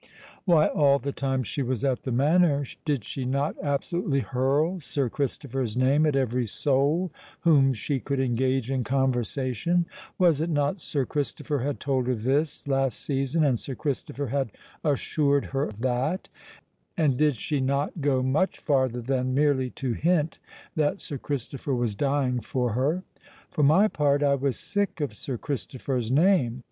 Why, all the time she was at the Manor, did she not absolutely hurl Sir Christopher's name at every soul whom she could engage in conversation? Was it not 'Sir Christopher had told her this last season,' and 'Sir Christopher had assured her that?' and did she not go much farther than merely to hint that Sir Christopher was dying for her? For my part, I was sick of Sir Christopher's name.